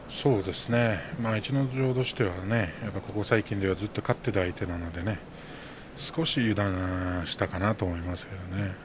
逸ノ城としてはここ最近ではずっと勝っていた相手だったので少し油断したかなと思いましたね。